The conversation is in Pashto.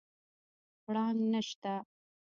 پړانګ نشته